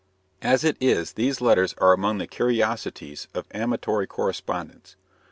As it is, these letters are among the curiosities of amatory correspondence.